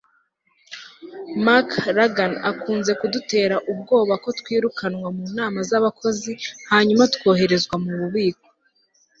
mark ragan akunze kudutera ubwoba ko twirukanwa mu nama z'abakozi hanyuma twoherezwa mu bubiko